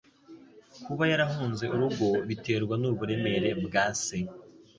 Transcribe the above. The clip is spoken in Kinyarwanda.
Kuba yarahunze urugo biterwa n'uburemere bwa se.